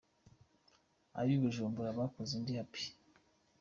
Ab’i Bujumbura bakoze indi ’Happy’ :.